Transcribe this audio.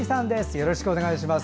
よろしくお願いします。